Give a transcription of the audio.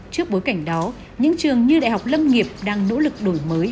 trước bối cảnh đó những trường như đại học lâm nghiệp đang nỗ lực đổi mới